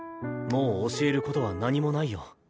もう教えることは何もないよ。